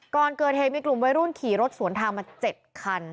ก่อนเกิดเหตุมีกลุ่มวัยรุ่นขี่รถสวนทางมา๗คัน